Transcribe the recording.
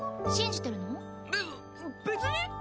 信じてるの？